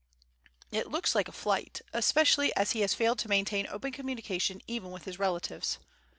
It looks like a flight, especially as he has failed to maintain open communication even with his relatives.